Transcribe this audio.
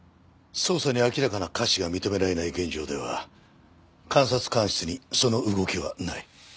捜査に明らかな瑕疵が認められない現状では監察官室にその動きはない。